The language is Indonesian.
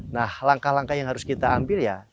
nah langkah langkah yang harus kita ambil ya